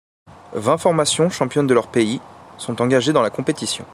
Vingt formations, championnes de leur pays, sont engagées dans la compétition.